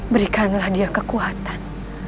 berikanlah dia kekuatan